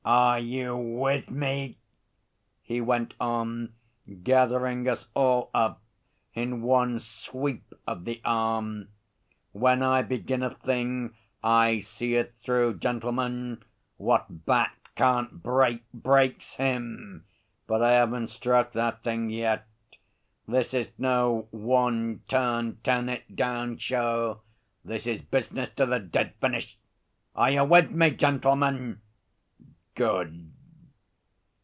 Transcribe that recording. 'Are you with me?' he went on, gathering us all up in one sweep of the arm. 'When I begin a thing I see it through, gentlemen. What Bat can't break, breaks him! But I haven't struck that thing yet. This is no one turn turn it down show. This is business to the dead finish. Are you with me, gentlemen? Good!